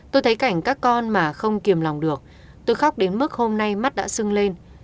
tôi thấy cảnh các con mà không kiềm lòng được tôi khóc đến mức hôm nay mắt đã sưng lên